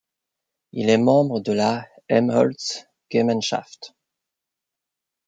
Il est membre de la Helmholtz-Gemeinschaft.